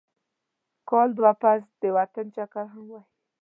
کال دوه پس د وطن چکر هم وهي.